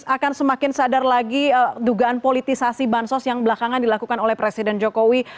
akan semakin sadar lagi dugaan politisasi bansos yang belakangan dilakukan oleh presiden jokowi